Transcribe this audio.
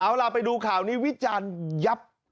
เอาล่ะไปดูข่าวนี้วิจารณ์ยับ